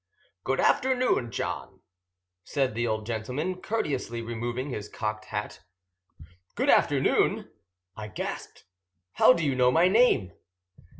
"Good afternoon, John," said the old gentleman, courteously removing his cocked hat. "Good afternoon!" I gasped. "How do you know my name?"